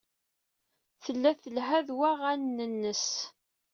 Tella telha ed waɣanen-nnes.